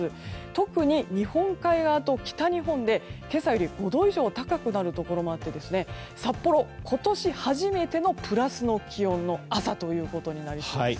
特に日本海側と北日本で今朝より５度以上高くなるところもあって札幌、今年初めてのプラスの気温の朝ということになりそうです。